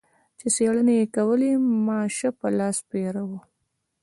چې څېړنې یې کولې ماشه په لاس پیره و.